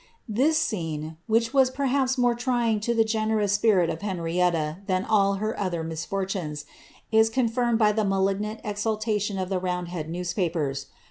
* This aceiie, which was perhaps more trying to the generous spirit of HenrieHA than all her other misfortunes, is confirmed by the malignant exultation of the roundhead newspapers.